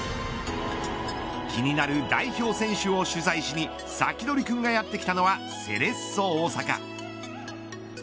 気になる代表選手を取材しにサキドリくんがやって来たのはセレッソ大阪。